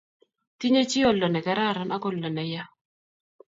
Tinyei chii oldo ne kararan ak oldo ne ya